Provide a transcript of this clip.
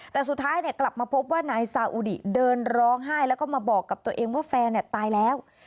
แต่สุดท้ายกลับมาพบว่านายซาอุดิเดินร้องไห้แล้วก็มาบอกกับตัวเองว่าแฟนตายแล้ว